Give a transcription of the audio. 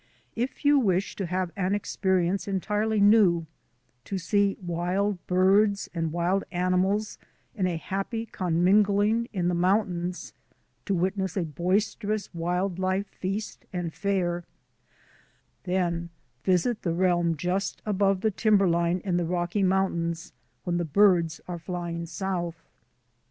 If you wish to have an experience entirely new, to see wild birds and wild animals in a happy commingling in the mountains, to witness a bois terous wild life feast and fair, then visit the realm just above the timberline in the Rocky Mountains when the birds are flying south.